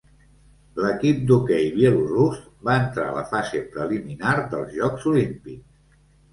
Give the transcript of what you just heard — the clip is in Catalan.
L'equip d'hoquei bielorús va entrar a la fase preliminar dels Jocs Olímpics.